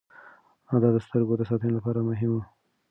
دا د سترګو د ساتنې لپاره هم و.